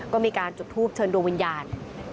ก็มีการจุดทูปเชิญดวงวิญญาณ